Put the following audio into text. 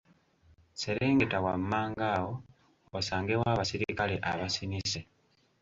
Serengeta wammanga awo osangewo abaserikale abasinise